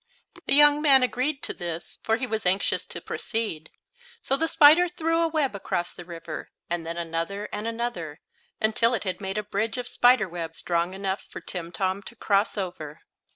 The young man agreed to this, for he was anxious to proceed. So the spider threw a web across the river, and then another, and another, until it had made a bridge of spider web strong enough for Timtom to cross over.